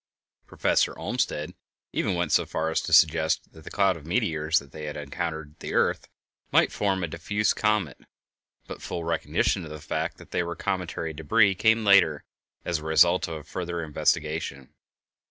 Professor Olmsted even went so far as to suggest that the cloud of meteors that had encountered the earth might form a diffuse comet; but full recognition of the fact that they were cometary débris came later, as the result of further investigation.